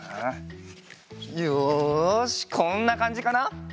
よしこんなかんじかな？